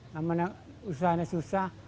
namun usaha usahanya susah